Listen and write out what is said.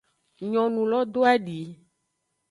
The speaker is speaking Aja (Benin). Nyongulo doadi.